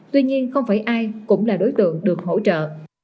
tuy nhiên không phải ai cũng là đối tượng được hỗ trợ